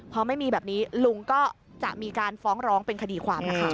พอไม่มีแบบนี้ลุงก็จะมีการฟ้องร้องเป็นคดีความนะคะ